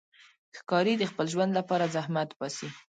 ښکاري د خپل ژوند لپاره زحمت باسي.